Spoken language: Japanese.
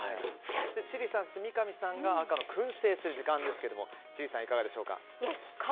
そして、千里さん、三上アナが赤の燻製する時間ですが千里さん、いかがでしょうか。